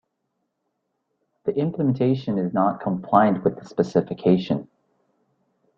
The implementation is not compliant with the specification.